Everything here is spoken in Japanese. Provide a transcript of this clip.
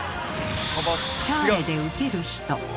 シャーレで受ける人。